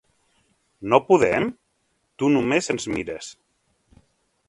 No podem? Tu només ens mires.